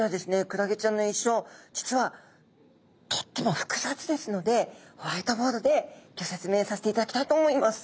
クラゲちゃんの一生実はとっても複雑ですのでホワイトボードでギョ説明させていただきたいと思います。